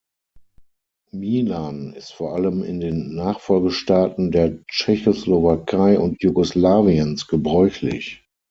Milan ist vor allem in den Nachfolgestaaten der Tschechoslowakei und Jugoslawiens gebräuchlich.